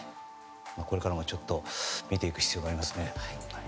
これからもちょっと見ていく必要がありますね。